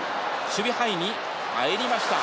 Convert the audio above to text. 守備範囲に入りました。